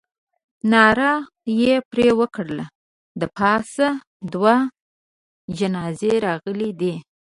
ناره یې پر وکړه. د پاسه دوه جنازې راغلې دي.